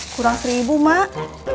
kurang seribu mak